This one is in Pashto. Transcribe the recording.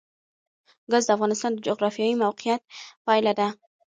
ګاز د افغانستان د جغرافیایي موقیعت پایله ده.